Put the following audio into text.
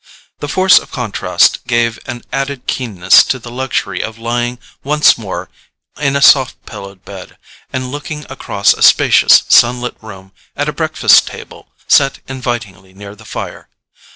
The force of contrast gave an added keenness to the luxury of lying once more in a soft pillowed bed, and looking across a spacious sunlit room at a breakfast table set invitingly near the fire.